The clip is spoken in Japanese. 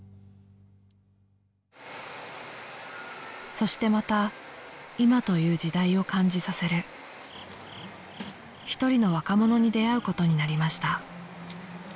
［そしてまた今という時代を感じさせる一人の若者に出会うことになりました］